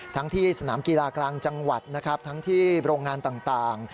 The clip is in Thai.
ที่สนามกีฬากลางจังหวัดนะครับทั้งที่โรงงานต่าง